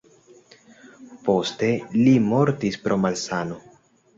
Poste li mortis pro malsano.